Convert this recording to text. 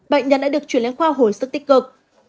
bệnh nhân đã được chuyển lên khoa hồi sức tích cực